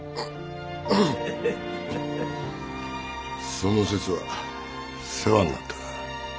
その節は世話になったな。